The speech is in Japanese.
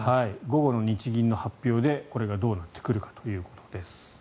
午後の日銀の発表でこれがどうなってくるかということです。